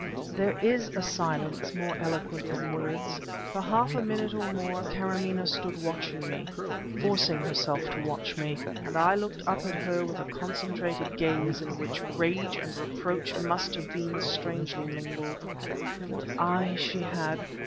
There is a silence more eloquent than words. For half a minute or more, Karamaneh stood watching me forcing herself to watch me and I looked up at her with a concentrated gaze in which rage and reproach must have been strangely mingled. What eyes she had!